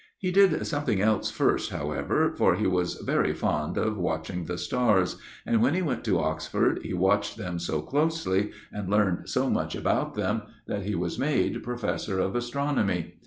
He did something else first, however, for he was very fond of watching the stars, and when he went to Oxford he watched them so closely, and learned so much about them, that he was made Professor of Astronomy.